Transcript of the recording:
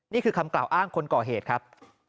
นี่คือคำกล่าวอ้างคนก่อเหตุครับ